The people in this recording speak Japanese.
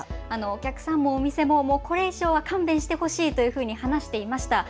お客さんもお店もこれ以上は勘弁してほしいと話していました。